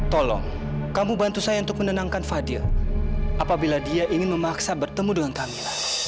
tolong kamu bantu saya untuk menenangkan fadil apabila dia ingin memaksa bertemu dengan kami